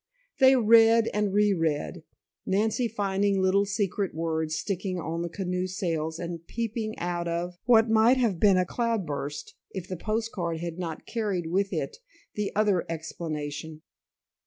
They read and re read, Nancy finding little secret words sticking on the canoe sails and peeping out of, what might have been a cloudburst, if the postcard had not carried with it the other explanation.